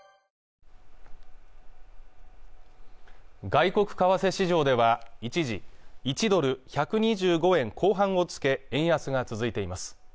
外国為替市場では一時１ドル＝１２５円後半をつけ円安が続いています